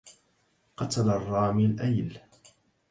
قتل الرامي الأيل.